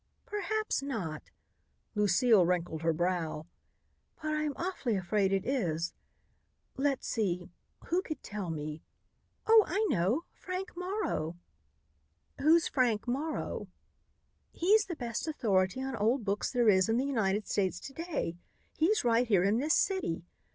"Perhaps not," Lucile wrinkled her brow, "but I am awfully afraid it is. Let's see who could tell me? Oh, I know Frank Morrow!" "Who's Frank Morrow?" "He's the best authority on old books there is in the United States to day. He's right here in this city.